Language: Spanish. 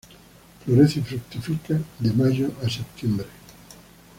Florece y fructifica de mayo a septiembre.